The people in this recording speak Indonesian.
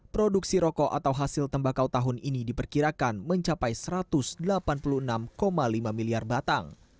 produksi rokok atau hasil tembakau tahun ini diperkirakan mencapai satu ratus delapan puluh enam lima miliar batang